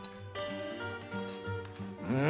うん！